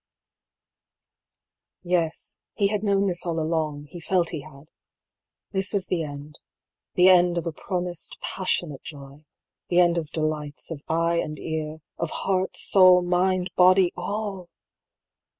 Yes ; he had known this all along, he felt he had. This was the end — the end of a promised passionate joy — the end of delights of eye and ear— of heart, soul, mind, body — all